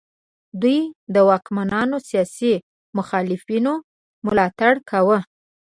دوی د واکمنانو سیاسي مخالفینو ملاتړ کاوه.